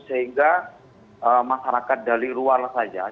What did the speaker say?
sehingga masyarakat dari luar saja